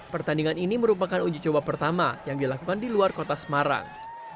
pertandingan ini merupakan uji coba pertama yang dilakukan di luar kota semarang